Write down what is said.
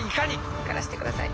受からせてください。